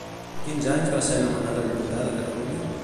Quins anys va ser nomenada diputada a Catalunya?